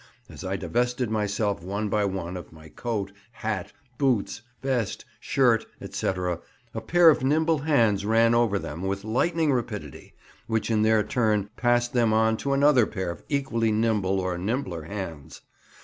As I divested myself one by one of my coat, hat, boots, vest, shirt, &c., a pair of nimble hands ran over them with lightning rapidity, which in their turn passed them on to another pair of equally nimble or nimbler hands.